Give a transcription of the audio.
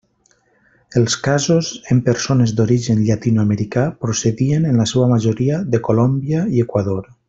Els casos en persones d'origen llatinoamericà procedien en la seua majoria de Colòmbia i Equador.